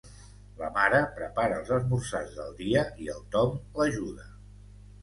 La mare prepara els esmorzars del dia i el Tom l'ajuda.